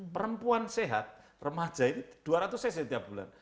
perempuan sehat remaja itu dua ratus cc tiap bulan